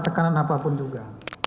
tekanan apapun juga